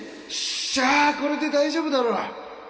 しゃあっこれで大丈夫だろ